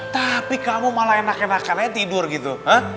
tapi kamu malah enak enakannya tidur gitu